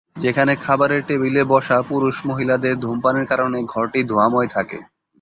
যেখানে খাবারের টেবিলে বসা পুরুষ-মহিলাদের ধূমপানের কারণে ঘরটি ধোঁয়াময় থাকে।